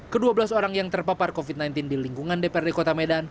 kedua belas orang yang terpapar covid sembilan belas di lingkungan dprd kota medan